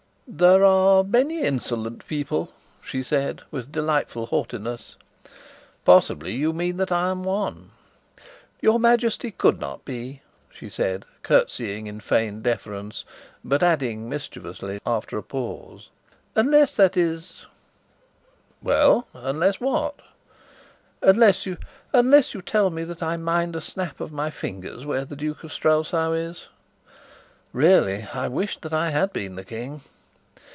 "There are many insolent people," she said, with delightful haughtiness. "Possibly you mean that I am one?" "Your Majesty could not be," she said, curtseying in feigned deference, but adding, mischievously, after a pause: "Unless, that is " "Well, unless what?" "Unless you tell me that I mind a snap of my fingers where the Duke of Strelsau is." Really, I wished that I had been the King.